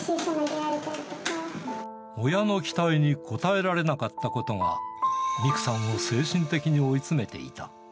親の期待に応えられなかったことが、ミクさんを精神的に追い詰めていた。